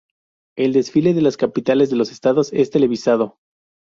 El desfile de las capitales de los estados es televisado.